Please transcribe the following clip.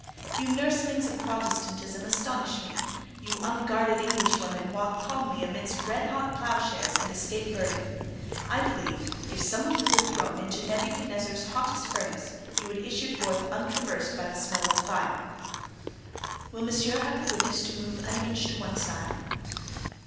"You nurslings of Protestantism astonish me. You unguarded Englishwomen walk calmly amidst red hot ploughshares and escape burning. I believe, if some of you were thrown into Nebuchadnezzar's hottest furnace you would issue forth untraversed by the smell of fire." "Will Monsieur have the goodness to move an inch to one side?"